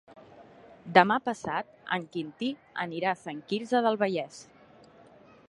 Demà passat en Quintí anirà a Sant Quirze del Vallès.